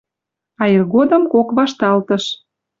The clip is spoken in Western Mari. А иргодым кок вашталтыш